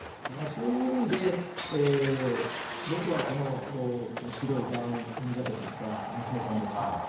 そういう意味で、僕はこの白いダウンジャケットを着た娘さんですか。